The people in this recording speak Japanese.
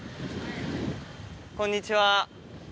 こんにちは！